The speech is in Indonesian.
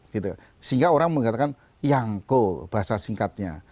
sehingga orang mengatakan yangko bahasa singkatnya